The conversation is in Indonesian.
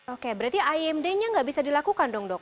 oke berarti imd nya nggak bisa dilakukan dong dok